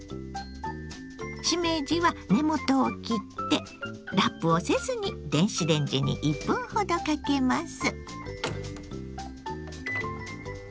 しめじは根元を切ってラップをせずに電子レンジに１分ほどかけます。